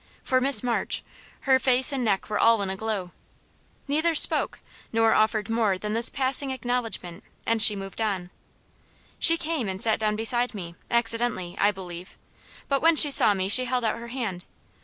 For Miss March, her face and neck were all in a glow. Neither spoke, nor offered more than this passing acknowledgment, and she moved on. She came and sat down beside me, accidentally, I believe; but when she saw me she held out her hand.